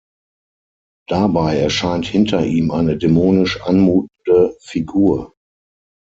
Dabei erscheint hinter ihm eine dämonisch anmutende Figur.